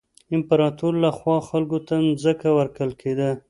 د امپراتور له خوا خلکو ته ځمکه ورکول کېده.